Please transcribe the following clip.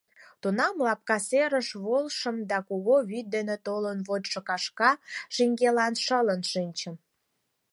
Тунам лапка серыш волышым да кугу вӱд дене толын вочшо кашка шеҥгелан шылын шинчым.